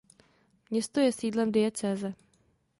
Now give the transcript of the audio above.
Město je sídlem diecéze.